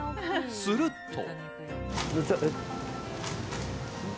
すると。